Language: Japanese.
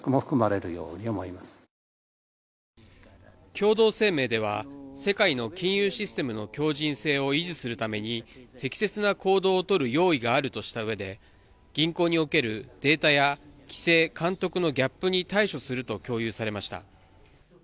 共同声明では世界の金融システムの強じん性を維持するために適切な行動をとる用意があるとしたうえで銀行におけるデータや規制・監督のギャップに対処すると共有されました。